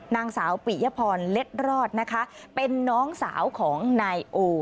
นางสาวปี่ญภณ์เรศรอดเป็นน้องสาวของนายอู